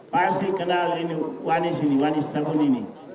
pasti kenal ini wanis ini wanis tampun ini